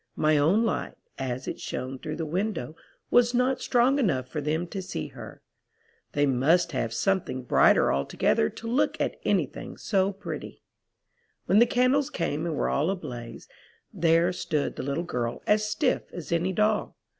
My own light, as it shown through the window, was not strong enough for them to see her. They must have some thing brighter altogether to look at anything so pretty. "When the candles came and were all ablaze, there stood the little girl as stiff as any doll.